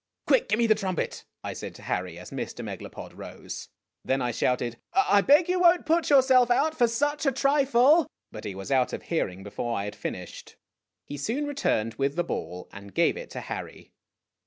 " Quick ! give me the trumpet," I said to Harry, as Mr. Megal opod rose. Then I shouted, " I beg you won't put yourself out for such a trifle !" but he was out of hearing before I had finished. O He soon returned with the ball, and gave it to Harry.